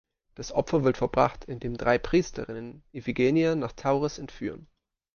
Das Opfer wird vollbracht, indem drei Priesterinnen Iphigenie nach Tauris entführen.